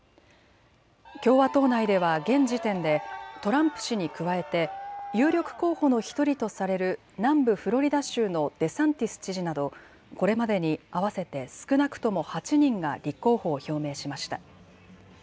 共和党内では現時点でトランプ氏に加えて有力候補の１人とされる南部フロリダ州のデサンティス知事などこれまでに合わせて少なくとも８人が立候補を表明しました。